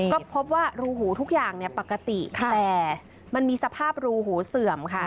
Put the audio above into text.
ก็พบว่ารูหูทุกอย่างปกติแต่มันมีสภาพรูหูเสื่อมค่ะ